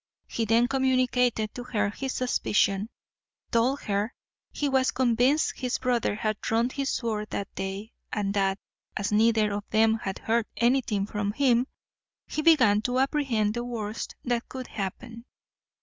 He then communicated to her his suspicion, told her he was convinced his brother had drawn his sword that day, and that, as neither of them had heard anything from him, he began to apprehend the worst that could happen.